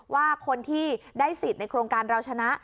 ว่าคนที่ได้สิทธิ์ในโครงการเราชนะ